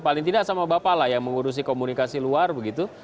paling tidak sama bapak lah yang mengurusi komunikasi luar begitu